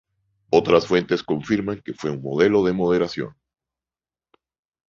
Otras fuentes confirman que fue un modelo de moderación.